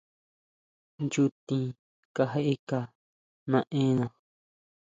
Nchutin kajeka naena.